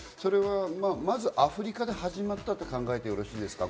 まずアフリカで始まったと考えてよろしいですか？